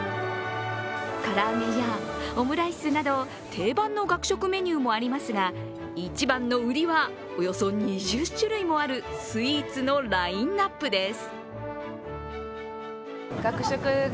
唐揚げやオムライスなど定番の学食メニューもありますが一番の売りは、およそ２０種類もあるスイーツのラインナップです。